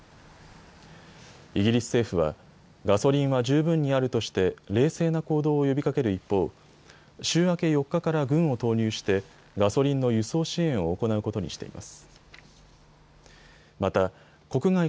イギリス政府はガソリンは十分にあるとして冷静な行動を呼びかける一方、週明け４日から軍を投入してガソリンの輸送支援を行うことにしています。